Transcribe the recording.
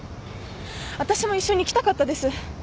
私も一緒に行きたかったです。